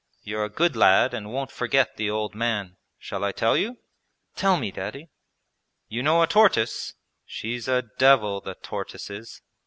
You're a good lad and won't forget the old man.... Shall I tell you?' 'Tell me, Daddy.' 'You know a tortoise? She's a devil, the tortoise is!'